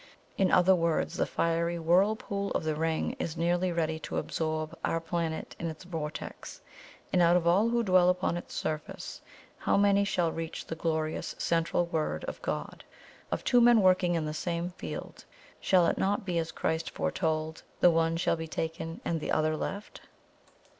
In other words, the fiery whirlpool of the Ring is nearly ready to absorb our planet in its vortex; and out of all who dwell upon its surface, how many shall reach the glorious Central World of God? Of two men working in the same field, shall it not be as Christ foretold 'the one shall be taken, and the other left'?